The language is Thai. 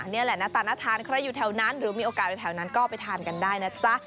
นี่แหละหน้าตาน่าทานใครอยู่แถวนั้นหรือมีโอกาสอยู่แถวนั้นก็ไปทานกันได้นะจ๊ะ